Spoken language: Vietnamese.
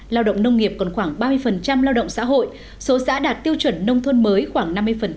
lao động nông nghiệp còn khoảng ba mươi lao động xã hội số xã đạt tiêu chuẩn nông thôn mới khoảng năm mươi